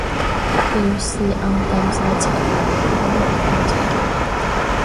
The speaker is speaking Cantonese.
要是暗淡世情有日放晴